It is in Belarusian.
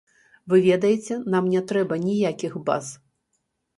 Вы ведаеце, нам не трэба ніякіх баз.